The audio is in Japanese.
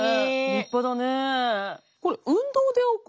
立派だね。